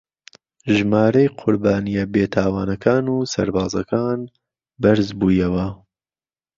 ژمارەی قوربانییە بێتاوانەکان و سەربازەکان بەرز بوویەوە